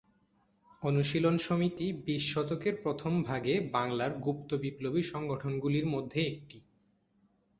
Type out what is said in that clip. অনুশীলন সমিতি বিশ শতকের প্রথমভাগে বাংলায় গুপ্ত বিপ্লবী সংগঠনগুলির মধ্যে একটি।